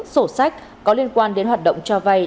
sổ sách có liên quan đến hoạt động cho vay